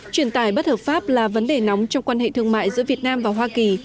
truyền tài bất hợp pháp là vấn đề nóng trong quan hệ thương mại giữa việt nam và hoa kỳ